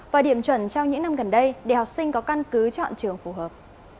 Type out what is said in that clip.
và điểm chuẩn trong những năm gần đây để học sinh có căn cứ chọn trường phù hợp